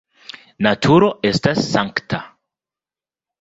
Naturo estas sankta.